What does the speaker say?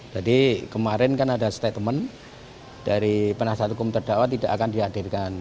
jadi kemarin kan ada statement dari penasihat hukum terdakwa tidak akan dihadirkan